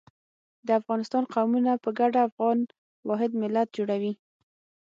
د افغانستان قومونه په ګډه افغان واحد ملت جوړوي.